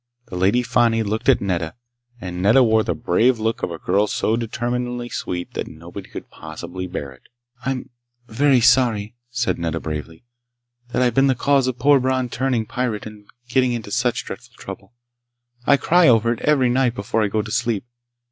The Lady Fani looked at Nedda. And Nedda wore the brave look of a girl so determinedly sweet that nobody could possibly bear it. "I'm ... very sorry," said Nedda bravely, "that I've been the cause of poor Bron turning pirate and getting into such dreadful trouble. I cry over it every night before I go to sleep.